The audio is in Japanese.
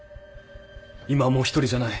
今はもう一人じゃない。